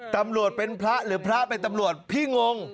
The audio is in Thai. ตำรวจเป็นพระหรือพระเป็นตำรวจพี่งง